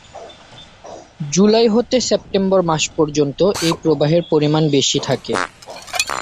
জুলাই হতে সেপ্টেম্বর মাস পর্যন্ত এই প্রবাহের পরিমাণ বেশি থাকে।